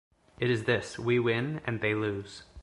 It is this: We win and they lose.